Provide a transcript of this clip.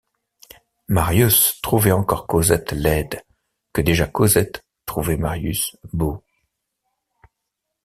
Marius trouvait encore Cosette laide que déjà Cosette trouvait Marius beau.